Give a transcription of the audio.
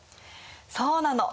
そうなの。